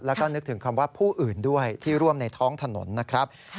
แล้วก็นึกถึงคำว่าผู้อื่นด้วยที่ร่วมในท้องถนนนะครับ